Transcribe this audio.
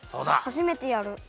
はじめてやる。